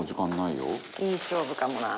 いい勝負かもな。